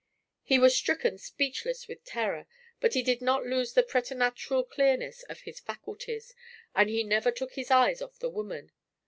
He was stricken speechless with terror, but he did not lose the preternatural clearness of his faculties, and he never took his eyes off the woman.